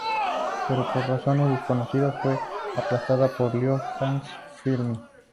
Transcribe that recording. Pero por razones desconocidas fue aplazada por Lionsgate Films.